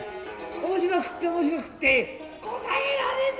面白くって面白くってこたえられぬわ。